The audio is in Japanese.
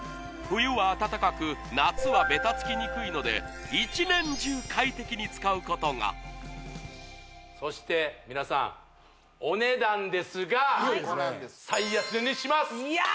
冬は暖かく夏はベタつきにくいので一年中快適に使うことがそしてみなさんお値段ですがそこなんです